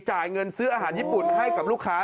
จ่ายเงินซื้ออาหารญี่ปุ่นให้กับลูกค้า